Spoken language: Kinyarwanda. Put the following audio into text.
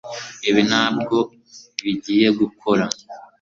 Ibi ntabwo bigiye gukora